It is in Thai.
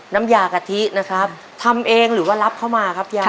น้ำยากะทินะครับทำเองหรือว่ารับเข้ามาครับยาย